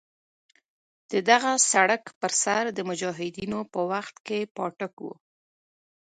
د دغه سړک پر سر د مجاهدینو په وخت کې پاټک وو.